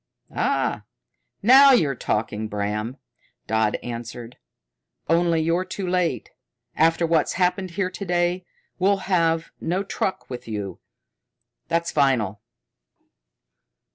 "Ah, now you're talking, Bram," Dodd answered. "Only you're too late. After what's happened here to day, we'll have no truck with you. That's final."